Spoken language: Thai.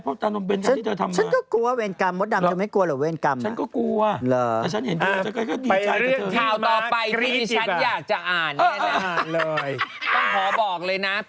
เป็นข่าวของสามีดิใช่มั้ย